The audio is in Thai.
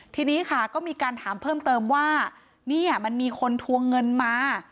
ทีนี้ค่ะก็มีการถามเพิ่มเติมว่าเนี่ยมันมีคนทวงเงินมา